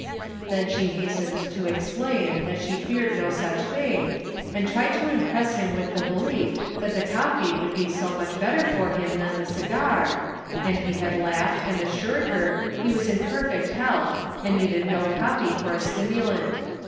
Then she hastened to explain that she feared no such thing, and tried to impress him with the belief that the coffee would be so much better for him than the cigar, and he had laughed and assured her he was in perfect health, and needed no coffee for a stimulant ; A Social Problem.